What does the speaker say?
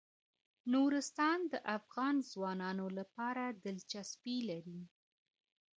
نورستان د افغان ځوانانو لپاره دلچسپي لري.